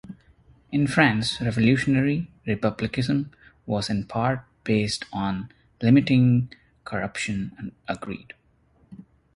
In France, Revolutionary Republicanism was, in part, based on limiting corruption and greed.